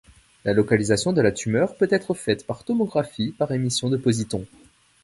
La localisation de la tumeur peut être faite par tomographie par émission de positons.